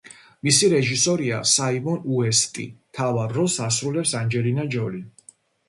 მისი რეჟისორია საიმონ უესტი, მთავარ როლს ასრულებს ანჯელინა ჯოლი.